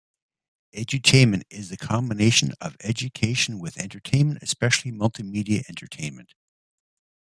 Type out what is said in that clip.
Edutainment is the combination of education with entertainment, especially multimedia entertainment.